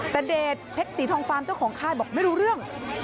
แต่เดชเพชรสีทองฟาร์มเจ้าของค่ายบอกไม่รู้เรื่อง